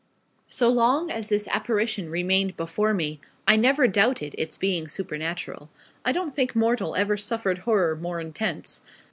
So long as this apparition remained before me, I never doubted its being supernatural. I don't think mortal ever suffered horror more intense.